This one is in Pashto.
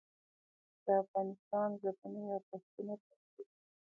د افغانستان ژبني ارزښتونه تاریخي دي.